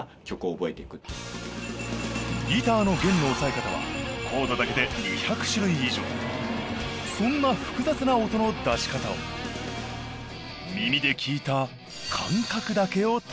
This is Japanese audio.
ギターの弦の押さえ方はコードだけで２００種類以上そんな複雑な音の出し方を耳で聞いた感覚だけを頼りに